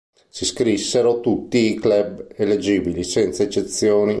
Si iscrissero tutti i club eleggibili, senza eccezioni.